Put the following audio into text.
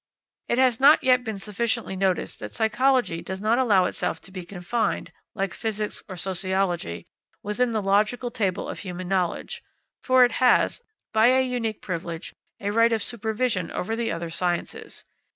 It has not yet been sufficiently noticed that psychology does not allow itself to be confined, like physics or sociology, within the logical table of human knowledge, for it has, by a unique privilege, a right of supervision over the other sciences.